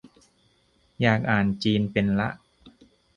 อยากอ่านจีนเป็นละ